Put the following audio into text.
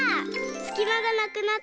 すきまがなくなったよ！